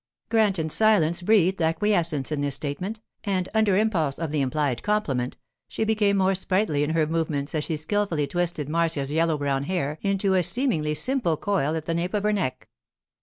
Granton's silence breathed acquiescence in this statement, and under impulse of the implied compliment she became more sprightly in her movements as she skilfully twisted Marcia's yellow brown hair into a seemingly simple coil at the nape of her neck.